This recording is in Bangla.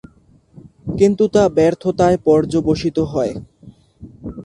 কিন্তু তা ব্যর্থতায় পর্যবসিত হয়।